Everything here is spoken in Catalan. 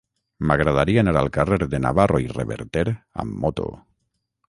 M'agradaria anar al carrer de Navarro i Reverter amb moto.